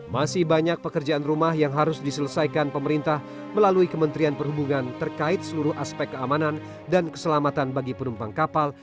masih banyak pekerjaan rumah yang harus diselesaikan pemerintah melalui kementerian perhubungan terkait seluruh aspek keamanan dan keselamatan bagi penumpang kapal